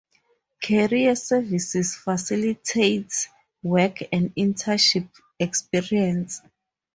Career Services facilitates work and internship experience.